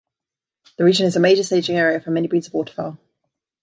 The region is a major staging area for many breeds of waterfowl.